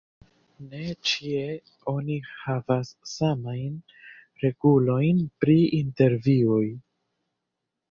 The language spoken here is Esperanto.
Ne ĉie oni havas samajn regulojn pri intervjuoj.